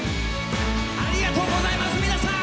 ありがとうございます皆さん。